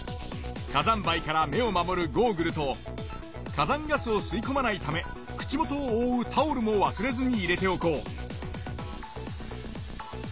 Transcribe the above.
火山灰から目を守るゴーグルと火山ガスをすいこまないため口元をおおうタオルもわすれずに入れておこう。